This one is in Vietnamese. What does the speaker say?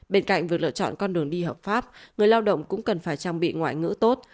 bên cạnh việc lựa chọn con đường đi hợp pháp người lao động cũng cần phải trang bị ngoại ngữ tốt